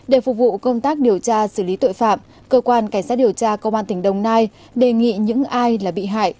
để phục vụ công tác điều tra xử lý tội phạm cơ quan cảnh sát điều tra công an tỉnh đồng nai đề nghị những ai là bị hại